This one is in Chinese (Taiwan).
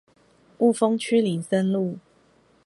霧峰區林森路